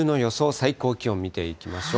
最高気温見ていきましょう。